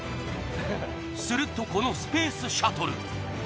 するとこのスペースシャトル